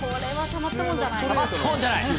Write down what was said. たまったもんじゃない。